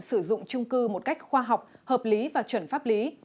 sử dụng trung cư một cách khoa học hợp lý và chuẩn pháp lý